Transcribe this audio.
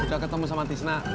udah ketemu sama tisna